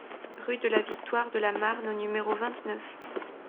Rue de la Victoire de la Marne au numéro vingt-neuf